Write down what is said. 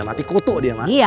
mati kutuk dia mak